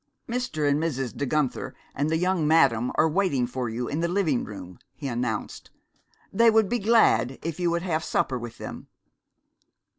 "Mr. and Mrs. De Guenther and the young madam are waiting for you in the living room," he announced. "They would be glad if you would have supper with them."